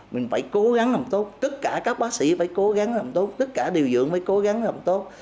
mình phải cố gắng làm tốt tất cả các bác sĩ phải cố gắng làm tốt tất cả điều dưỡng mới cố gắng làm tốt